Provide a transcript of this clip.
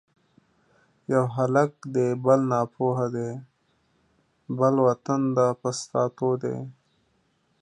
یو هلک دی بل ناپوه دی ـ بل وطن د فساتو دی